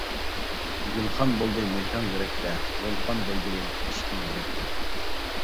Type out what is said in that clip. گۈلخان بولدى مېھرىڭ يۈرەكتە، ۋولقان بولدى ئىشقىڭ يۈرەكتە.